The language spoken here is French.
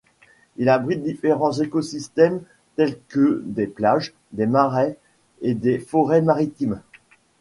Il abrite différents écosystèmes tels que des plages, des marais et des forêts maritimes.